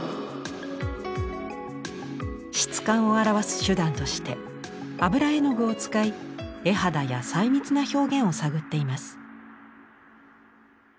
質感を表す手段として油絵の具を使い絵肌や細密な表現を探っています。